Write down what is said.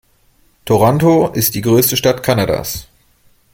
Toronto ist die größte Stadt Kanadas.